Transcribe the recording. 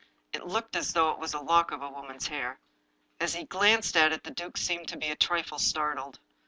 It looked as though it was a lock of a woman's hair. As he glanced at it the duke seemed to be a trifle startled.